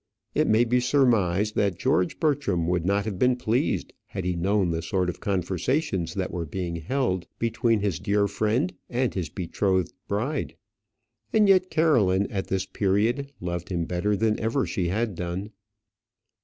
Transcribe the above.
It may be surmised that George Bertram would not have been pleased had he known the sort of conversations that were held between his dear friend and his betrothed bride. And yet Caroline at this period loved him better than ever she had done.